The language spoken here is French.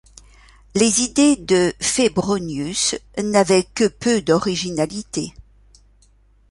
Les idées de Fébronius n'avaient que peu d'originalité.